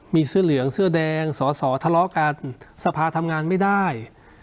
มีเสื้อเหลืองเสื้อแดงสอสอทะเลาะกันสภาทำงานไม่ได้